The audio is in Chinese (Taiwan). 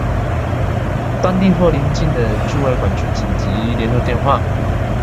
當地或鄰近的駐外館處緊急聯絡電話